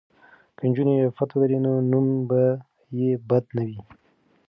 که نجونې عفت ولري نو نوم به یې بد نه وي.